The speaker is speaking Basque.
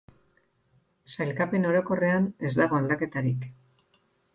Sailkapen orokorrean ez dago aldaketarik.